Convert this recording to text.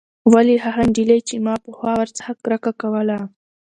ولې هغه نجلۍ چې ما پخوا ورڅخه کرکه کوله.